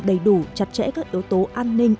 đầy đủ chặt chẽ các yếu tố an ninh